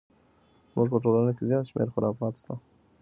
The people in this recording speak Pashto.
زموږ په ټولنه کې زیات شمیر خرافات شته!